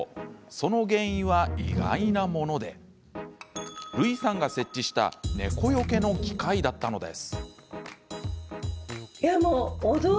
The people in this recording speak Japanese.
その原因は意外なものでるいさんが設置した猫よけの機械だったのです。